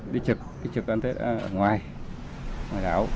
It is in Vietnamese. đi trực đi trực ăn tết ở ngoài ngoài đảo